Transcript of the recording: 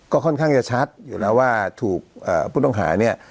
ก็ค่อนข้างจะชัดอยู่แล้วว่าถูกผู้ต้องหาเนี่ย